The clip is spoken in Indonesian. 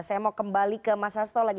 saya mau kembali ke mas sasto lagi